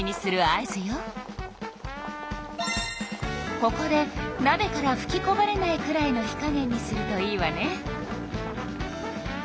ここでなべからふきこぼれないくらいの火加減にするといいわね。